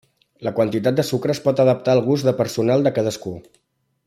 La quantitat de sucre es pot adaptar al gust de personal de cadascú.